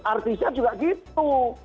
artisnya juga gitu